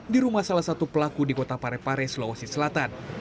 di rumah salah satu pelaku di kota parepare sulawesi selatan